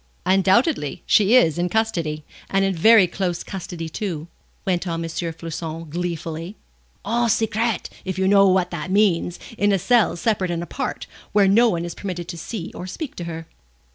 "Undoubtedly she is in custody, and in very close custody too," went on M. Floçon, gleefully. "_ Au secret_, if you know what that means in a cell separate and apart, where no one is permitted to see or speak to her."